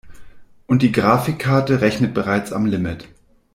Und die Grafikkarte rechnet bereits am Limit.